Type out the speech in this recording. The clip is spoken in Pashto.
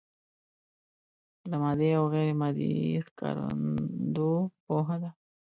د مادي او غیر مادي ښکارندو پوهه ده.